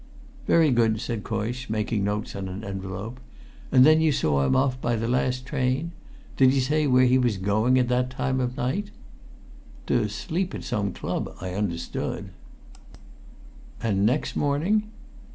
"Very good," said Coysh, making notes on an envelope. "And then you saw him off by the last train: did he say where he was going at that time of night?" "To sleep at some club, I understood." "And next morning?"